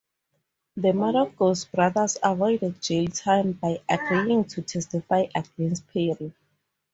The Maragos brothers avoided jail time by agreeing to testify against Perry.